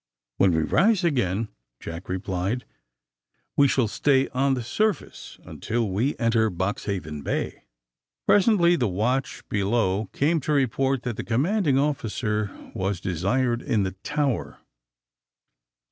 '^When we rise again," Jack replied, ^^we shall stay on the surface until we enter Box haven Bay." Presently the watch below came to report that the commanding officer was desired in the tower.